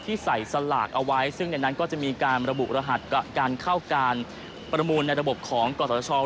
ที่ใส่สลากเอาไว้ซึ่งในนั้นก็จะมีการระบุรหัสกับการเข้าการประมูลในระบบของกศช